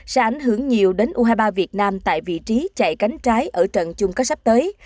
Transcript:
sẽ ảnh hưởng nhiều đến u hai mươi ba việt nam tại vị trí chạy cánh trái ở trận chung kết sắp tới